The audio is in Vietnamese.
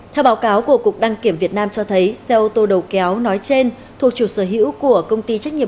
theo báo cáo của cục đăng kiểm việt nam cho thấy xe ô tô đầu kéo nói trên thuộc chủ sở hữu của công ty trách nhiệm